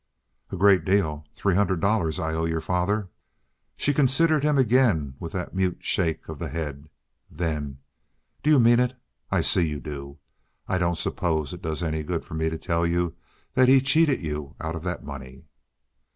"A great deal. Three hundred dollars I owe your father." She considered him again with that mute shake of the head. Then: "Do you mean it? I see you do. I don't suppose it does any good for me to tell you that he cheated you out of that money?"